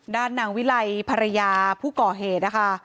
ด้านนางวิไลภรรยาผู้ก่อเหตุนะคะ